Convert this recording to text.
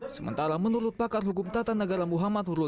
sementara menurut pakar hukum tata negara muhammad hurul yandi